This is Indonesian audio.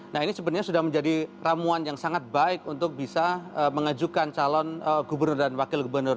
nah ini sebenarnya sudah menjadi ramuan yang sangat baik untuk bisa mengajukan calon gubernur dan wakil gubernur